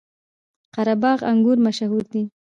قره باغ انګور مشهور دي؟